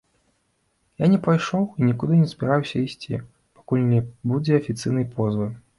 Я не пайшоў і нікуды не збіраюся ісці, пакуль не будзе афіцыйнай позвы.